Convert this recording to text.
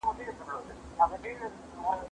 کېدای سي بوټونه ګنده وي!!